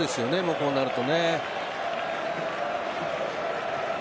こうなるとね。